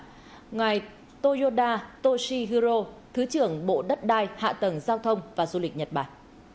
và ngài toyoda toshihiro thứ trưởng bộ đất đai hạ tầng giao thông và du lịch nhật bản